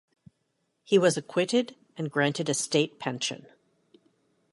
He was acquitted and granted a state pension.